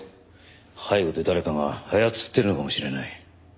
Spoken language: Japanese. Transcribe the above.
背後で誰かが操ってるのかもしれない。